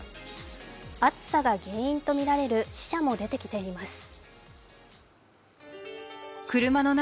暑さが原因とみられる死者も出てきています。